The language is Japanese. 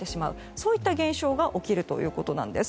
そういった現象が起きるということです。